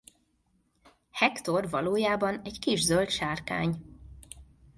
Hector valójában egy kis zöld sárkány.